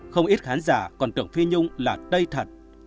không ít khán giả còn tưởng phi nhung là đây thật